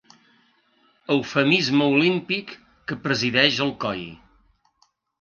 Eufemisme olímpic que presideix Alcoi.